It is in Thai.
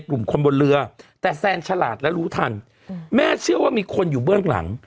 กลุ่มคนบนเรือแต่แซนฉลาดและรู้ทันแม่เชื่อว่ามีคนอยู่เบื้องหลัง